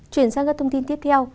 chuyển sang các thông tin tiếp theo